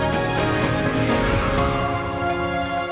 terima kasih ya pak